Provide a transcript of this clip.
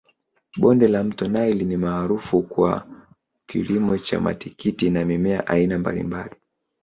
Bonde la mto naili ni maarufu kwa kilimo cha matikiti na mimea aina mbalimbali